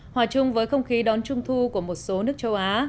hòa chung với không khí đón trung thu của một số nước châu á